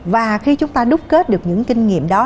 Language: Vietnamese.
và khi chúng ta đúc kết được những kinh nghiệm đó